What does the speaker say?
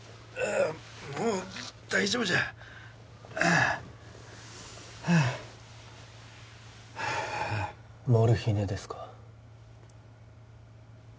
もう大丈夫じゃああはあはあモルヒネですか？